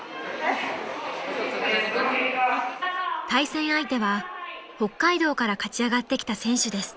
［対戦相手は北海道から勝ち上がってきた選手です］